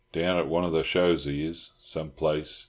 Down at one of the shows he is, some place.